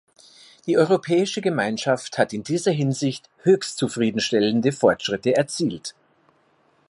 Die Europäische Gemeinschaft hat in dieser Hinsicht höchst zufrieden stellende Fortschritte erzielt.